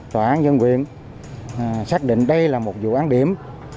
tòa án nhân quyền xác định đây là một vụ án điểm